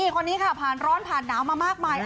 คนนี้ผ่านร้อนพ่านน้ำมามากมาย